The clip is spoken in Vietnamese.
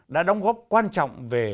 đã đóng góp quan trọng về